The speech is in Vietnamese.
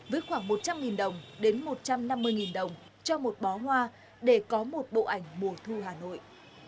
với khoảng một trăm linh đồng đến một trăm năm mươi đồng cho một bó hoa để có một bộ ảnh mùa thu hà nội